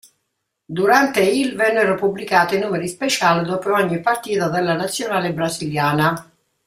Durante il vennero pubblicati numeri speciali dopo ogni partita della Nazionale brasiliana.